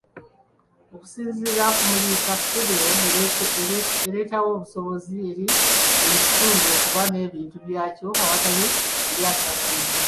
Okusinziira ku Muliika, federo ereetawo obusobozi eri buli kitundu okuba n'ebintu byakyo awatali kulyazaamanyibwa.